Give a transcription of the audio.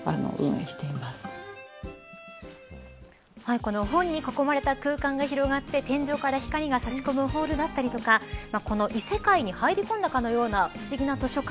この本に囲まれた空間が広がって天井から光が差し込むホールだったりとか異世界に入り込んだかのような不思議な図書館。